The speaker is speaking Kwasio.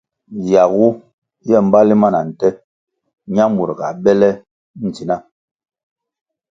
Yagu ye mbali ma nte ñamur ga be be le ndzna.